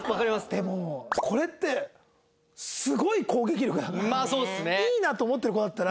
でもこれってすごい攻撃力だからいいなと思ってる子だったら。